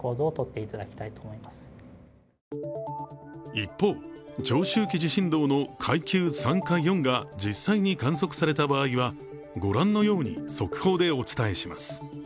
一方、長周期地震動の階級３か４が実際に観測された場合はご覧のように速報でお伝えします。